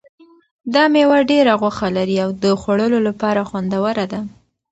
دا مېوه ډېره غوښه لري او د خوړلو لپاره خوندوره ده.